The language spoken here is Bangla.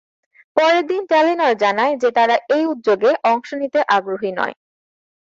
পরের দিন টেলিনর জানায় যে তারা এই উদ্যোগে অংশ নিতে আগ্রহী নয়।